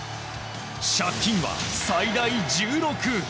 借金は最大１６。